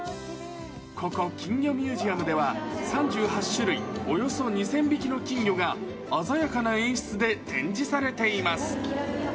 ここ、金魚ミュージアムでは、３８種類およそ２０００匹の金魚が、鮮やかな演出で展示されています。